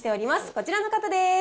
こちらの方です。